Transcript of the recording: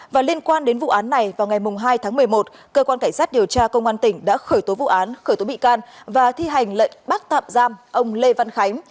và liên quan đến vụ án này vào ngày hai tháng một mươi một cơ quan cảnh sát điều tra công an tỉnh đã khởi tố vụ án khởi tố bị can và thi hành lệnh bắt tạm giam ông lê văn khánh